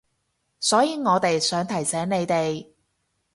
所以我哋想提醒你哋